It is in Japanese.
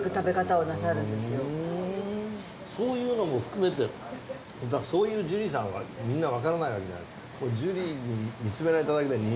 そういうのも含めてそういうジュリーさんはみんなわからないわけじゃないですか。